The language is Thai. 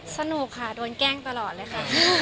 สนุกค่ะโดนแกล้งตลอดเลยค่ะ